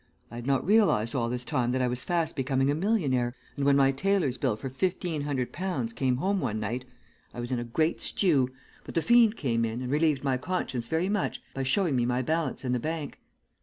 I had not realized all this time that I was fast becoming a millionaire, and when my tailor's bill for fifteen hundred pounds came home one night I was in a great stew, but the fiend came in and relieved my conscience very much by showing me my balance in the bank.